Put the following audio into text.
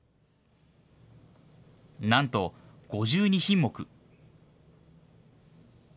なんと５２品目！